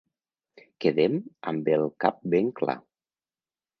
Quedem amb el cap ben clar.